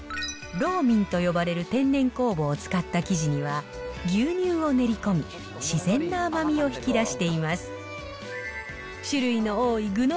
ローミンと呼ばれる天然酵母を使った生地には、牛乳を練り込み、自然な甘みを引き出しています。